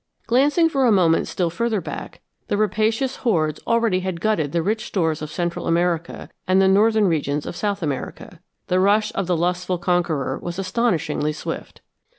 Glancing for a moment still further back, the rapacious hordes already had gutted the rich stores of Central America and the northern regions of South America. The rush of the lustful conqueror was astonishingly swift.